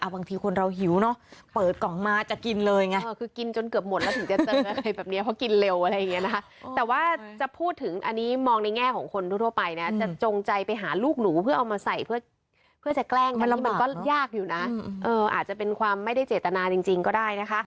บางทีคนเราหิวเนอะเปิดกล่องมาจะกินเลยไงคือกินจนเกือบหมดแล้วถึงจะเจออะไรแบบนี้เพราะกินเร็วอะไรอย่างนี้นะคะแต่ว่าจะพูดถึงอันนี้มองในแง่ของคนทั่วไปนะจะจงใจไปหาลูกหนูเพื่อเอามาใส่เพื่อจะแกล้งกันแล้วมันก็ยากอยู่นะอาจจะเป็นความไม่ได้เจตนาจริงก็ได้นะคะ